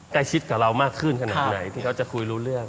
ใกล้ชิดกับเรามากขึ้นขนาดไหนที่เขาจะคุยรู้เรื่อง